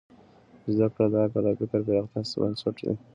زدهکړه د عقل او فکر پراختیا بنسټ دی.